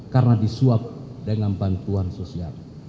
karena disuap dengan bantuan sosial